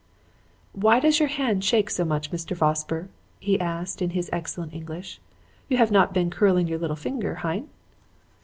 "'Why does your hand shake so much, Mr. Vosper?' he asked in his excellent English. 'You have not been curling your little finger, hein?'